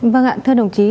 vâng ạ thưa đồng chí